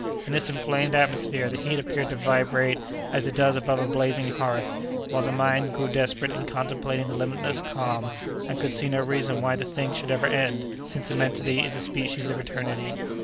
In this inflamed atmosphere the heat appeared to vibrate as it does above a blazing hearth, while the mind grew desperate in contemplating the limitless calm, and could see no reason why the thing should ever end, since immensity is a species of eternity.